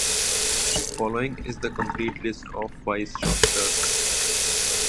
Following is the complete list of the Vice-chancellors.